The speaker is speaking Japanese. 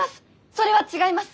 それは違います！